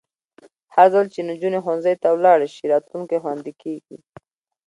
هرځل چې نجونې ښوونځي ته ولاړې شي، راتلونکی خوندي کېږي.